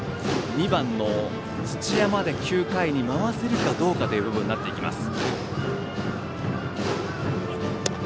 ２番の土屋まで９回に回せるかどうかという部分になってきます。